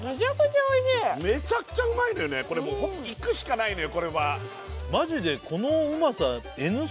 めちゃくちゃうまいのよねこれもう行くしかないのよ